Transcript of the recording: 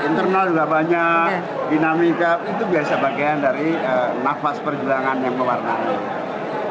internal juga banyak dinamika itu biasa bagian dari nafas perjuangan yang mewarnai